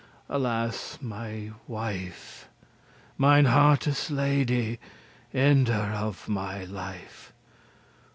alas, my wife! Mine hearte's lady, ender of my life!